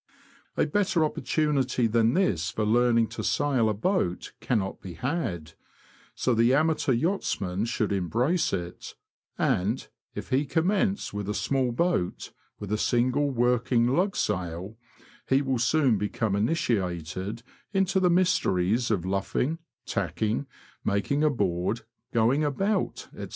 A better opportunity than this for learning to sail a boat cannot be had, so the amateur yachtsman should embrace it, and, if he commence with a small boat, with a single working lug sail, he will soon become initiated into the mysteries of luffing, tacking, making a board, going about, &c.